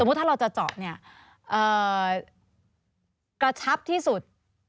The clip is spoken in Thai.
ถ้าเราจะเจาะเนี่ยกระชับที่สุด